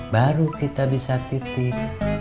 baru kita bisa titik